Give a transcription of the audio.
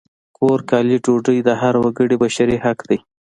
کور، کالي، ډوډۍ د هر وګړي بشري حق دی!